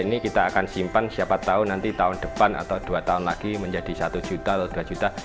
ini kita akan simpan siapa tahu nanti tahun depan atau dua tahun lagi menjadi satu juta atau dua juta